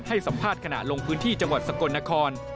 ให้สัมภาษณ์ขณะลงพื้นที่จังหวัดสกลนคร